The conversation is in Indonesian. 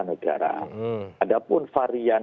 negara ada pun varian